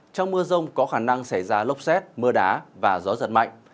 trong mưa rông có khả năng xảy ra lốc xét mưa đá và gió giật mạnh